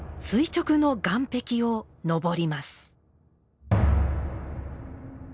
垂直の岩壁を登ります。